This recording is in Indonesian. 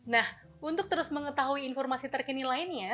nah untuk terus mengetahui informasi terkini lainnya